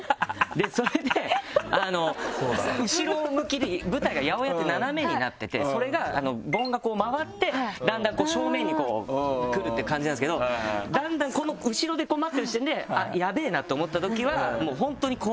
それで後ろ向きに舞台が八百屋って斜めになっててそれが盆が回ってだんだん正面に来るっていう感じなんですけどだんだんこの後ろでこう待ってる時点でヤベェなって思ったときはもう本当に怖いんです。